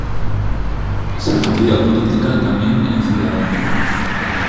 Sacudida política tamén en Ciudadanos.